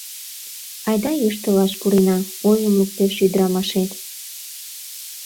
— Айда йӱштылаш пурена, — ойым луктеш ӱдырамашет.